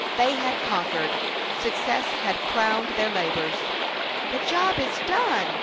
They had conquered ; success had crowned their labors. " The job is done